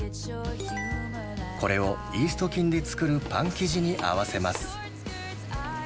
これをイースト菌で作るパン生地に合わせます。